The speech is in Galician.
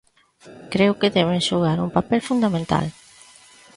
Creo que deben xogar un papel fundamental.